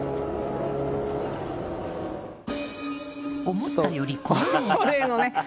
思ったより高齢。